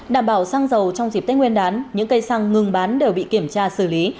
đảm bảo xăng dầu trong dịp tết nguyên đán những cây xăng ngừng bán đều bị kiểm tra xử lý